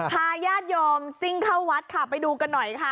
พายาศโยมสิงเข้าวัดไปดูกันหน่อยค่ะ